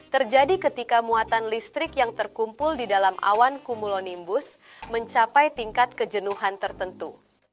terjadi ketika muatan listrik yang terkumpul di dalam awan cumulonimbus mencapai tingkat kejenuhan tertentu